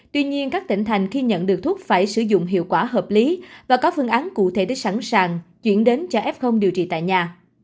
tuy nhiên các tỉnh thành khi nhận được thuốc phải sử dụng hiệu quả hợp lý và có phương án cụ thể để sẵn sàng chuyển đến cho f điều trị tại nhà